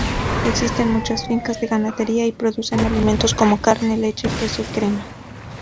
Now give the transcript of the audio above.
Existen muchas fincas de ganadería y producen alimentos como carne, leche, queso, crema.